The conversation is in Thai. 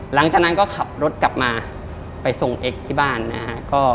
หลังจากนั้นก็ขับรถกลับมาไปส่งเอ็กซ์ที่บ้านนะฮะ